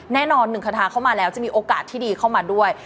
แน่นอนหนึ่งคาทาเข้ามาแล้วจะมีโอกาสที่ดีเข้ามาด้วย